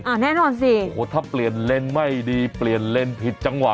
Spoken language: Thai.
แน่นอนสิโอ้โหถ้าเปลี่ยนเลนส์ไม่ดีเปลี่ยนเลนส์ผิดจังหวะ